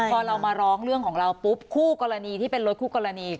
พอเรามาร้องเรื่องของเราปุ๊บคู่กรณีที่เป็นรถคู่กรณี